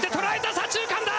左中間だ！